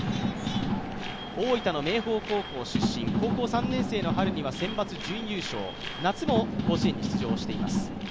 大分の明豊高校出身、高校３年生の春にはセンバツ準優勝夏も甲子園に出場しています。